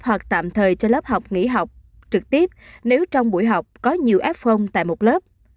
hoặc tạm thời cho lớp học nghỉ học trực tiếp nếu trong buổi học có nhiều frong tại một lớp